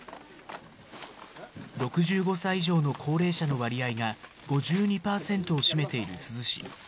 ６５歳以上の高齢者の割合が５２％を占めている珠洲市。